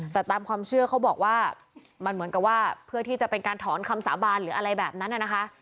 แต่ตามความเชื่อเขาบอกว่ามันเหมือนกับว่าเพื่อที่จะเป็นการถอนคำสาบานหรืออะไรแบบนั้นนะคะ